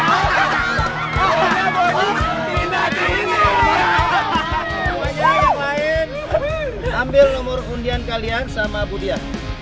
ambil nomor undian kalian sama budia